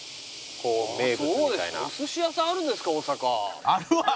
そうですかお寿司屋さんあるんですか大阪。